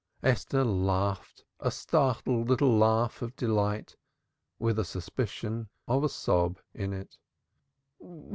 Esther laughed a startled little laugh of delight, with a suspicion of a sob in it.